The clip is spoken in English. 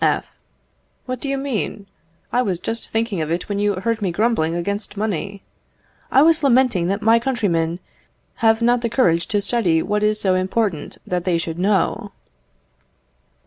F. What do you mean? I was just thinking of it when you heard me grumbling against money! I was lamenting that my countrymen have not the courage to study what it is so important that they should know.